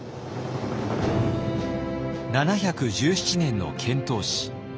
７１７年の遣唐使。